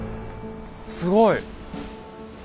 すごい。